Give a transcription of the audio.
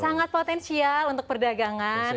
sangat potensial untuk perdagangan